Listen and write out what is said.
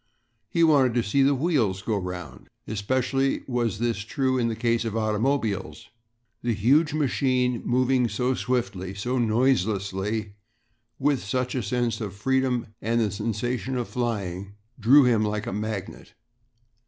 He wanted to "see the wheels go 'round." Especially was this true in the case of automobiles. The huge machine moving so swiftly, so noiselessly, with such a sense of freedom and the sensation of flying, drew him like a magnet.